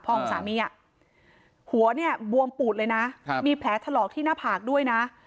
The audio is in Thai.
ของสามีหัวเนี่ยบวมปูดเลยนะมีแผลถลอกที่หน้าผากด้วยนะ